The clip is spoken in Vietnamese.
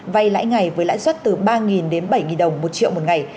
vay lãi ngày với lãi suất từ ba đến bảy đồng một triệu một ngày